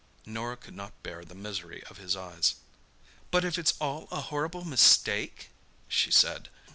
Norah could not bear the misery of his eyes. "But if it's all a horrible mistake?" she said.